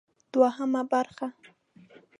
دوهمه برخه: